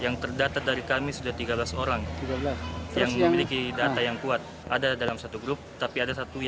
grup keluarga kami yang di kampus